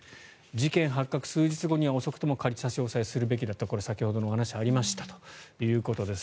事件発覚数日後には遅くとも仮差し押さえすべきだったこれ、先ほどのお話にありましたということです。